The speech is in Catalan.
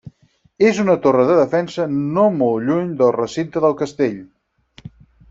És una torre de defensa no molt lluny del recinte del castell.